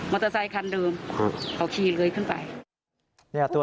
มอเตอร์ไซต์คันเดิมเขาขี่เลยขึ้นไป